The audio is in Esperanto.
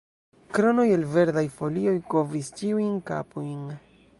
Kronoj el verdaj folioj kovris ĉiujn kapojn.